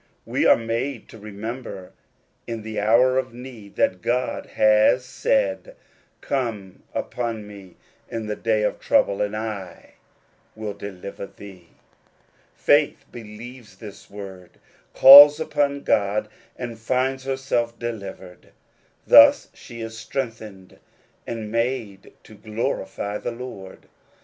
We are made to remember in the hour of need, that God has said, " Call upon me ift the day of trouble, and I will deliver thee." Faith believes this word, calls upon God, and finds herself delivered : thus she is strengthened, and made to glorify the Lord.